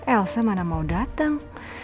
elsa mana mau dateng